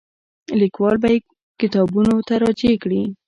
لیکوال به یې کتابونو ته راجع کړي.